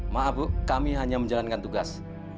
maaf bu kami hanya menjalankan tugas